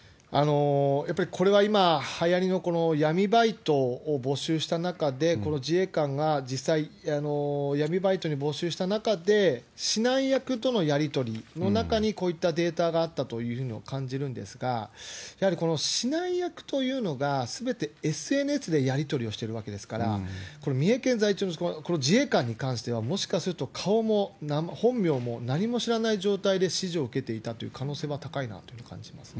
やっぱりこれは今、はやりの闇バイトを募集した中で、この自衛官が実際、闇バイトに募集した中で、指南役とのやり取りの中に、こういったデータがあったというふうに感じるですが、やはりこの指南役というのが、すべてＳＮＳでやり取りをしているわけですから、この三重県在住のこの自衛官に関しては、もしかすると顔も本名も何も知らない状態で指示を受けていたという可能性が高いなというふうに感じますね。